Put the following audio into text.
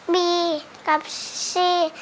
บีกับซี